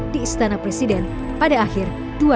di istana presiden pada akhir dua ribu enam belas